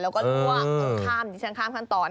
แล้วก็ลวกคลามจริงคลามตอน